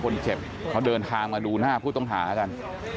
คนเจ็บเขาเดินทางมาดูหน้าผู้ต้องหากัน